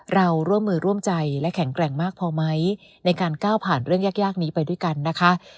เราร่วมมือร่วมใจและแข็งแกร่งมากพอไหมในการก้าวผ่านเรื่องยากนี้ไปด้วยกันนะคะ